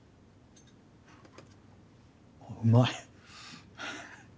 うまい。